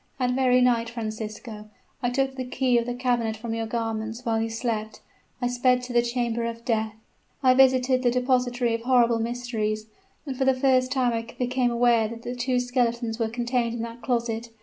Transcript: That very night, Francisco, I took the key of the cabinet from your garments, while you slept I sped to the chamber of death I visited the depository of horrible mysteries and for the first time I became aware that two skeletons were contained in that closet!